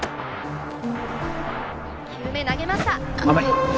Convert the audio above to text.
２球目投げました甘い！